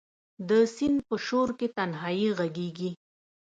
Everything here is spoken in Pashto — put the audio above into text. د سیند په شو رکې تنهایې ږغیږې